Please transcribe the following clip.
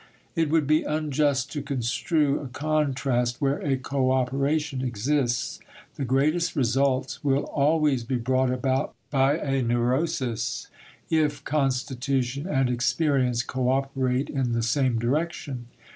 It would be unjust to construe a contrast where a cooperation exists. The greatest results will always be brought about by a neurosis if constitution and experience cooperate in the same direction.